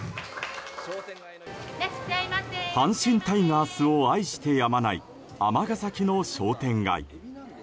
阪神タイガースを愛してやまない尼崎の商店街。